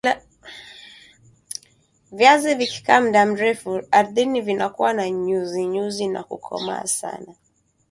viazi vikikaa mda mrefu ardhini vinakua na nyuzi nyuzi na kukomaa sana